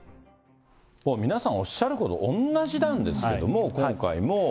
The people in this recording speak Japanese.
皆さんおっしゃること同じなんですけど、今回も。